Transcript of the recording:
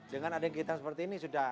dengan adanya kegiatan seperti ini sudah